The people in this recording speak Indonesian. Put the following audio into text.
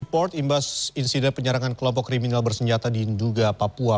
sport imbas insiden penyerangan kelompok kriminal bersenjata di nduga papua